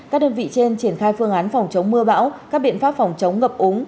các biện pháp phòng chống ngập úng